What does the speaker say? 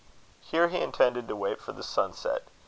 Here he intended to wait for the sunset.